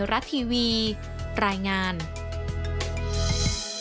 กระแสรักสุขภาพและการก้าวขัด